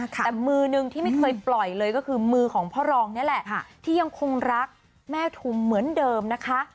แต่มือหนึ่งที่ไม่เคยปล่อยเลยก็คือมือของพ่อรองนี่แหละที่ยังคงรักแม่ทุมเหมือนเดิมนะคะ